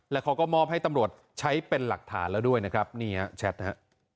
แล้วเขาก็มอบให้ตำรวจใช้เป็นหลักฐานแล้วด้วยนะครับนี่ฮะแชทฮะ